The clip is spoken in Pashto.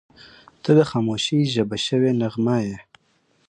• ته د خاموشۍ ژبه شوې نغمه یې.